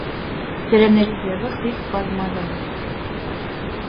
Տերևների ձևը խիստ բազմազան է։